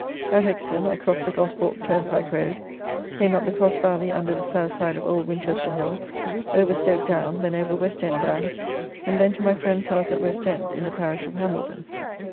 At Exton I crossed the Gosport turnpike road, came up the cross valley under the South side of Old Winchester Hill, over Stoke down, then over West End down, and then to my friend's house at West End in the parish of Hambledon.